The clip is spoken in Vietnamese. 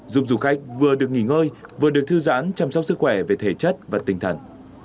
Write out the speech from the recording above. giúp du khách vừa được nghỉ ngơi vừa được thư giãn chăm sóc sức khỏe về thể chất và tinh thần